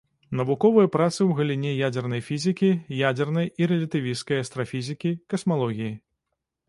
Навуковыя працы ў галіне ядзернай фізікі, ядзернай і рэлятывісцкай астрафізікі, касмалогіі.